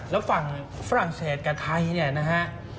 แล้วฝั่งฝรั่งเศสกับไทยเนี่ยนะฮะ